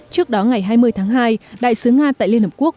trước đó ngày hai mươi tháng hai đại sứ nga tại liên hợp quốc